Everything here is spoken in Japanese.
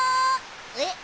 えっ？